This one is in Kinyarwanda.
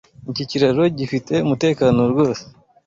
Iki kiraro gifite umutekano rwose.